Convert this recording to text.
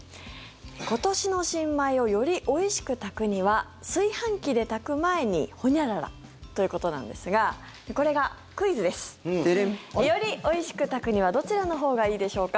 今年の新米をよりおいしく炊くには炊飯器で炊く前にホニャララということなんですがデデン！よりおいしく炊くにはどちらのほうがいいでしょうか？